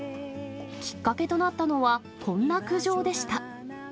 きっかけとなったのは、こんな苦情でした。